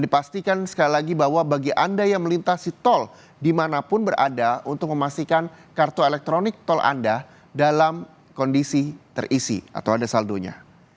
dipastikan sekali lagi bahwa bagi anda yang melintasi tol dimanapun berada untuk memastikan kartu elektronik tol anda dalam kondisi terisi atau ada saldonya